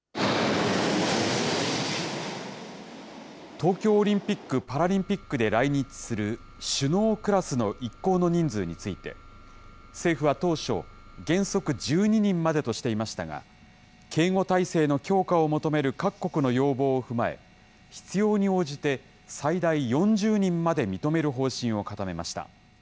東京オリンピック・パラリンピックで来日する首脳クラスの一行の人数について、政府は当初、原則１２人までとしていましたが、警護態勢の強化を求める各国の要望を踏まえ、必要に応じて最大４０人まで認める方針を固めました。